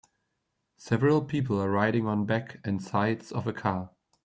Several people are riding on back and sides of a car.